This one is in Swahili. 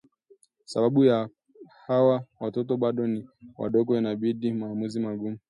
Sababu hawa watoto bado ni wadogo inabidi maamuzi magumu